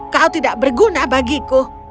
kau tidak berguna bagiku